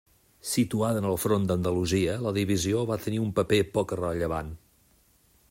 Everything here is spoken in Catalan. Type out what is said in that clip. Situada en el front d'Andalusia, la divisió va tenir un paper poc rellevant.